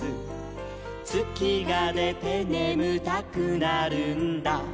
「つきがでてねむたくなるんだ」